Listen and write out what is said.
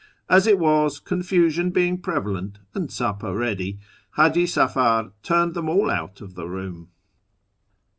As it was, confusion being prevalent, and supper ready, H;iji Safar turned them all out of the room.